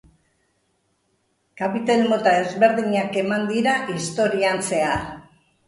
Kapitel mota ezberdinak eman dira historian zehar.